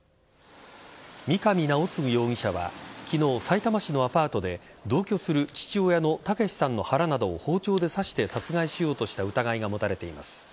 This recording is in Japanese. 三上尚貢容疑者は昨日、さいたま市のアパートで同居する父親の剛さんの腹などを包丁で刺して殺害しようとした疑いが持たれています。